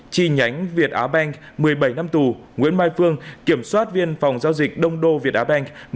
chi nhánh việt á banh một mươi bảy năm tù nguyễn mai phương kiểm soát viên phòng giao dịch đông đô việt á banh